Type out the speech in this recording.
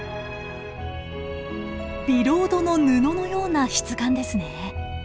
ビロードの布のような質感ですね。